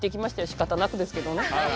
しかたなくですけどね。